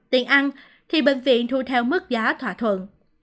tiền ăn thì bệnh viện thu theo mức giá thỏa thuận